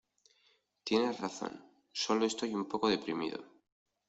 Tienes razón, sólo estoy un poco deprimido.